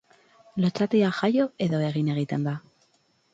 Lotsatia jaio edo egin egiten da?